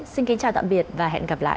xin kính chào tạm biệt và hẹn gặp lại